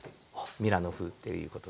ミラノ風っていうことで。